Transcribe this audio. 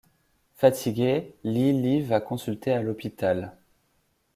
Fatiguée, Li Li va consulter à l'hôpital.